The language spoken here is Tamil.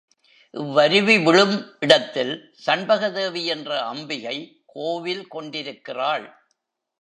இவ்வருவி விழும் இடத்தில் சண்பகதேவி என்ற அம்பிகை, கோவில் கொண்டிருக்கிறாள்.